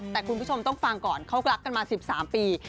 แต่คุณผู้ชมต้องฟังก่อนเขารักกันมา๑๓ปี